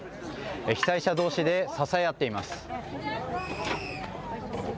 被災者どうしで支え合っています。